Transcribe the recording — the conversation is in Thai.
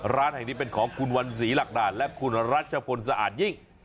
ร้านแห่งนี้เป็นของคุณวันศรีหลักและคุณรัชพลสะอาดยิ่ง